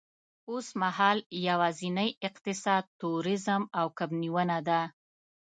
اوسمهال یوازېنی اقتصاد تورېزم او کب نیونه ده.